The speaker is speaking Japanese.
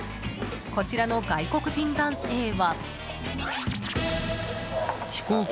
こちらの外国人男性は。